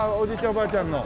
おばあちゃんの。